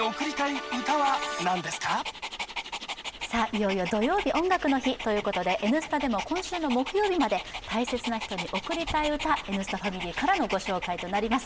いよいよ土曜日、「音楽の日」ということで「Ｎスタ」でも今週の木曜日まで大切な人に贈りたい歌、「Ｎスタ」ファミリーからのご紹介となります。